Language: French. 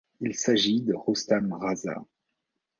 Il s’agit de Roustam Raza.